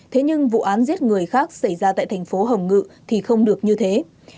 thế nhưng vụ án giết người khác xảy ra tại thành phố hồng ngự thì không được như thế